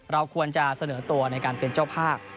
เราควรจะเสนอตัวในการเป็นเจ้าภาพ